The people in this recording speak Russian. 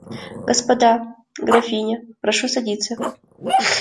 Господа, графиня, прошу садиться.